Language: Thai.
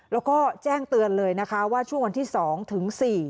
แล้วก็แจ้งเตือนเลยนะคะว่าช่วงวันที่๒ถึง๔